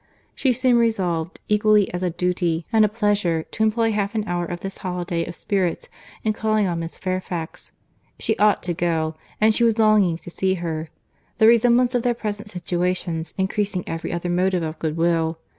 She soon resolved, equally as a duty and a pleasure, to employ half an hour of this holiday of spirits in calling on Miss Fairfax.—She ought to go—and she was longing to see her; the resemblance of their present situations increasing every other motive of goodwill.